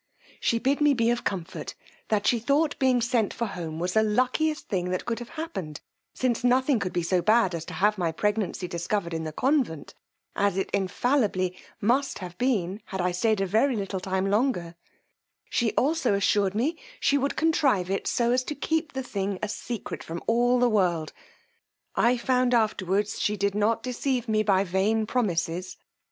She bid me be of comfort; that she thought being sent for home was the luckiest thing that could have happened, since nothing could be so bad as to have my pregnancy discovered in the convent, as it infallibly must have been had I stayed a very little time longer: she also assured me she would contrive it so, as to keep the thing a secret from all the world. I found afterwards she did not deceive me by vain promises.